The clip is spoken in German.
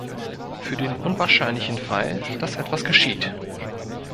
Für den unwahrscheinlichen Fall, dass etwas geschieht.